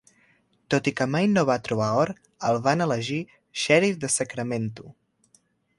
Tot i que mai no va trobar or, el van elegir xèrif de Sacramento.